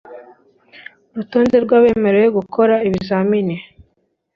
Urutonde rw abemerewe gukora ikizamini